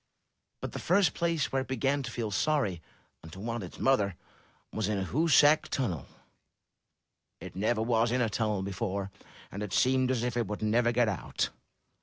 But the first place where it began to feel sorry, and to want its mother, was in Hoosac Tunnel. It never was in a tunnel before, and it seemed as if it would never get out.